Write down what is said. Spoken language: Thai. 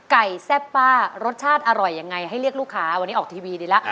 แซ่บป้ารสชาติอร่อยยังไงให้เรียกลูกค้าวันนี้ออกทีวีดีแล้ว